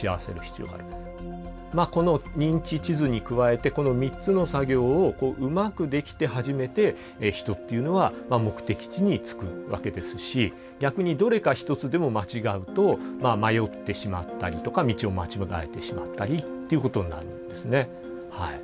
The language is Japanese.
この認知地図に加えてこの３つの作業をうまくできて初めて人っていうのは目的地に着くわけですし逆にどれか一つでも間違うと迷ってしまったりとか道を間違えてしまったりっていうことになるんですね。